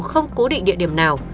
không cố định địa điểm nào